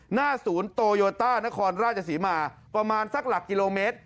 หน้าศูนย์โตโยต้านครราชศรีมาประมาณสักหลักกิโลเมตร